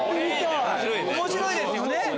面白いですよね。